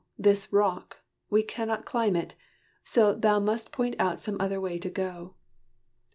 this rock! we cannot climb it, so Thou must point out some other way to go."